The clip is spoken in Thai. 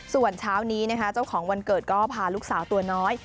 ส่วนเช้านี้นะคะเจ้าของวันเกิดก็พาลูกสาวตัวน้อย